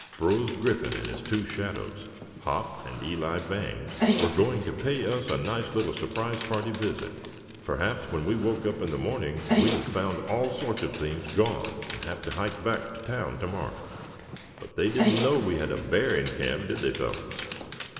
Brose Griffin and his two shadows, Hop, and Eli Bangs were going to pay us a nice little surprise party visit. Perhaps when we woke up in the morning we'd have found all sorts of things gone, and have to hike back to town to morrow. But they didn't know we had a bear in camp, did they, fellows?"